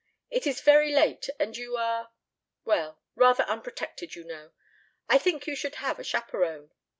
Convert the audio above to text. It is very late, and you are well, rather unprotected, you know. I think you should have a chaperon."